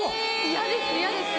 嫌です嫌です。